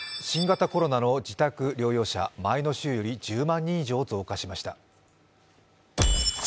新型コロナの自宅療養者前の週より１０万人以上増加しました。